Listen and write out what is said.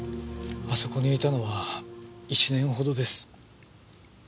あそこにいたのは１年ほどです。